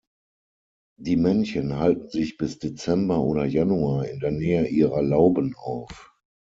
Die Männchen halten sich bis Dezember oder Januar in der Nähe ihrer Lauben auf.